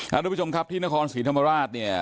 ทุกผู้ชมครับที่นครศรีธรรมราชเนี่ย